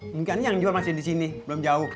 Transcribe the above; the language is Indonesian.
mungkin yang jual masih di sini belum jauh